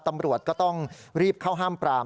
ตำรวจก็ต้องรีบเข้าห้ามปราม